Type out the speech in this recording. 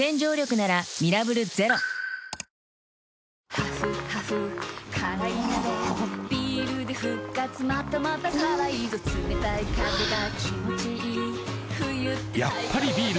ハフハフ辛い鍋ビールで復活またまた辛いぞ冷たい風が気持ちいい冬って最高だ